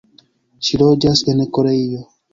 Ŝi loĝas en Koreio.